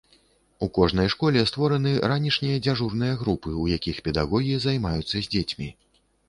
У кожнай школе створаны ранішнія дзяжурныя групы, у якіх педагогі займаюцца з дзецьмі.